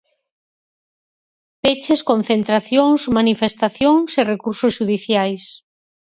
Peches, concentracións, manifestacións e recursos xudiciais.